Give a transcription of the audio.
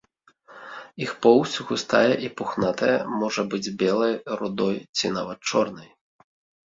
Іх поўсць густая і пухнатая, можа быць белай, рудой ці нават чорнай.